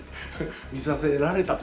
見させられたという。